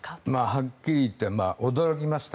はっきり言って驚きました。